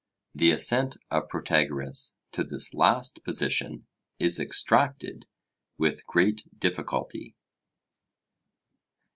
The assent of Protagoras to this last position is extracted with great difficulty.